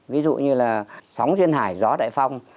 ví dụ như là sóng duyên hải gió đại phong